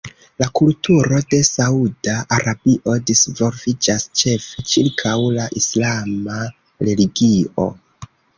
La kulturo de Sauda Arabio disvolviĝas ĉefe ĉirkaŭ la islama religio.